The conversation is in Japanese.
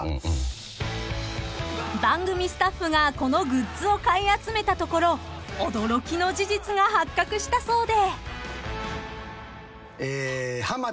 ［番組スタッフがこのグッズを買い集めたところ驚きの事実が発覚したそうで］